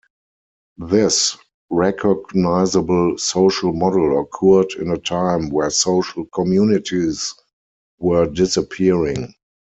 This recognizable social model occurred in a time where social communities were disappearing.